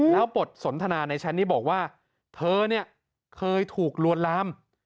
แล้วปฏิสนธนาในชั้นนี้บอกว่าเธอเคยถูกรวดลาม